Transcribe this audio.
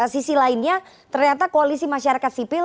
sisi lainnya ternyata koalisi masyarakat sipil